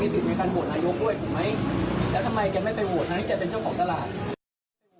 แล้วแกเป็นคนที่ไปโหวตมีสิทธิ์ในการโหวตนายกด้วยถูกไหม